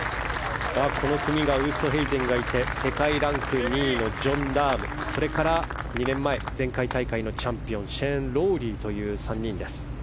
この組がウーストヘイゼンがいて世界ランク２位のジョン・ラームそれから２年前前回大会のチャンピオンシェーン・ロウリーという３人です。